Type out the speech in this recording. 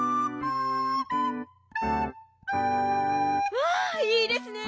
わあいいですね！